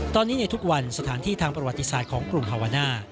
ตอนนี้ในทุกวันสถานที่ทางประวัติศาสตร์ของกรุงฮาวาน่า